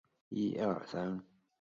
桃榄为山榄科桃榄属下的一个种。